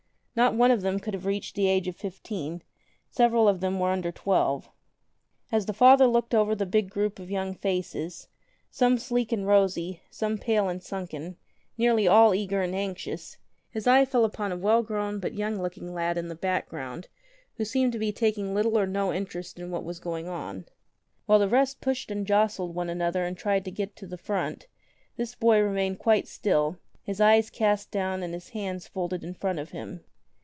Not one of them could have reached the age of fifteen: several of them were under twelve. As the Father looked over the big group of young faces, some sleek and rosy, some pale and sunken, nearly all eager and anxious, his eye fell upon a well grown but young looking lad in the background who seemed to be taking little or no interest in what was going on. While the rest pushed and jostled one another and tried to get to the front, this boy remained quite still, his eyes cast down and his hands folded in front of him.